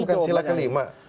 bukan sila kelima